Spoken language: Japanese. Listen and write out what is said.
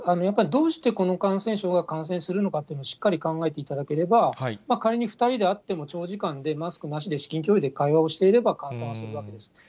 やっぱりどうしてこの感染症が感染するのかというのをしっかり考えていただければ、仮に２人であっても長時間でマスクなしで至近距離で会話をしていれば、感染はするわけです。